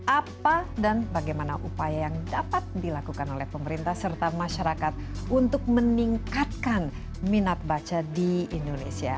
apa dan bagaimana upaya yang dapat dilakukan oleh pemerintah serta masyarakat untuk meningkatkan minat baca di indonesia